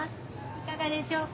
いかがでしょうか。